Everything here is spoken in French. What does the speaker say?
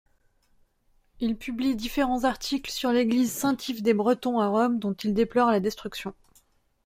Il publie différents articles sur l'église Saint-Yves-des-Bretons à Rome dont il déplore la destruction.